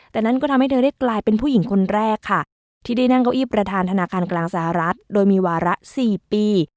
แต่นั่นก็ทำให้เธอได้กลายเป็นผู้หญิงคนแรกค่ะที่ได้นั่งเก้าอี้ประธานธนาคารกลางสหรัฐโดยมีวาระ๔ปี